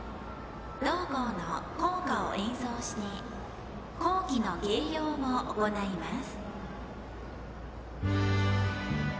同校の校歌を演奏して校旗の掲揚を行います。